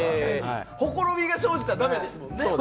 ほころびが生じたらダメですもんね。